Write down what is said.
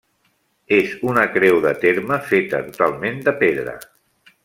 És una creu de terme feta totalment de pedra.